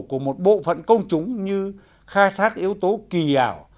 của một bộ phận công chúng như khai thác yếu tố kỳ ảo